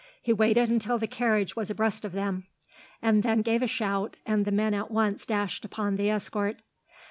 He waited until the carriage was abreast of them, and then gave a shout, and the men at once dashed upon the escort.